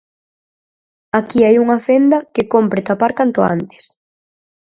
Aquí hai unha fenda que cómpre tapar canto antes.